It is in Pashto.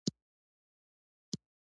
نورستان د افغانانو د ژوند طرز اغېزمنوي.